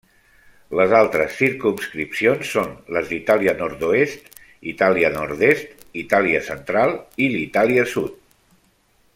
Les altres circumscripcions són les d'Itàlia nord-oest, Itàlia nord-est, Itàlia central i Itàlia sud.